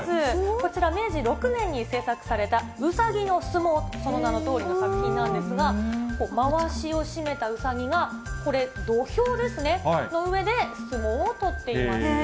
こちら、明治６年に制作された、うさぎの相撲、その名のとおりの作品なんですが、まわしを締めたうさぎが、これ、土俵ですね、の上で相撲を取っています。